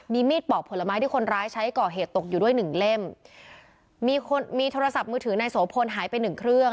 มีมีดปอกผลไม้ที่คนร้ายใช้ก่อเหตุตกอยู่ด้วยหนึ่งเล่มมีคนมีโทรศัพท์มือถือนายโสพลหายไปหนึ่งเครื่อง